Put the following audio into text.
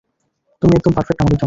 তুমি একদম পারফেক্ট আমাদের জন্য।